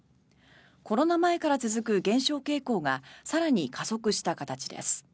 コロナ前から続く減少傾向が更に加速した形です。